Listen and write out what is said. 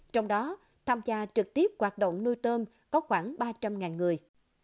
trong đó tham gia trực tiếp hoạt động nuôi tôm có khoảng ba trăm linh người